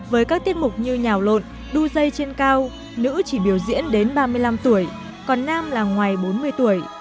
với các tiết mục như nhào lộn đu dây trên cao nữ chỉ biểu diễn đến ba mươi năm tuổi còn nam là ngoài bốn mươi tuổi